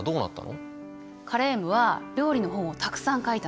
カレームは料理の本をたくさん書いたの。